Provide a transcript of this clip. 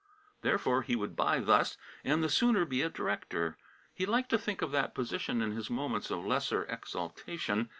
Therefore he would buy thus, and the sooner be a director. He liked to think of that position in his moments of lesser exaltation.